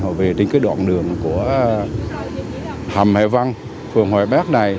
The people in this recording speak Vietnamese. họ về trên cái đoàn đường của hầm hải vân phường hội bác này